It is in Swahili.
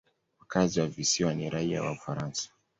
Wakazi wa visiwa ni raia wa Ufaransa.